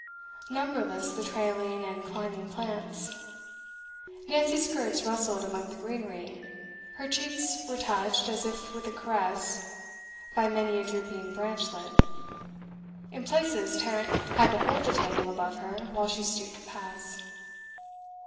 Numberless the trailing and climbing plants. Nancy's skirts rustled among the greenery; her cheeks were touched, as if with a caress, by many a drooping branchlet; in places, Tarrant had to hold the tangle above her while she stooped to pass.